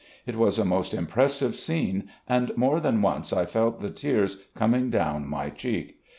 It was a most impressive scene, and more than once I felt the tears coming down my cheek.